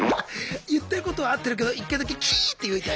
言ってることは合ってるけど１回だけキーッって言いたい。